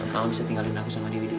mama bisa tinggalin aku sama dewi dulu